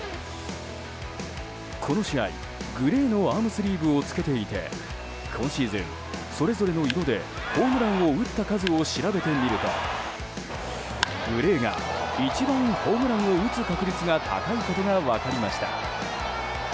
この試合グレーのアームスリーブを着けていて今シーズン、それぞれの色でホームランを打った数を調べてみるとグレーが一番、ホームランを打つ確率が高いことが分かりました。